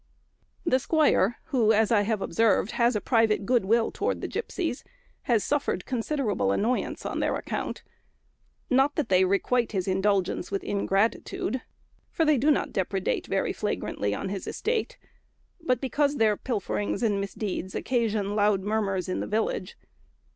The squire, who, as I have observed, has a private goodwill towards gipsies, has suffered considerable annoyance on their account. Not that they requite his indulgence with ingratitude, for they do not depredate very flagrantly on his estate; but because their pilferings and misdeeds occasion loud murmurs in the village.